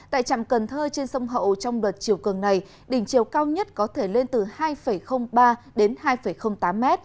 tại trạm cần thơ trên sông hậu trong đợt chiều cường này đỉnh chiều cao nhất có thể lên từ hai ba m đến hai tám m